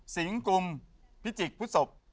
สิงค์กุมพิจิกพุทธศพ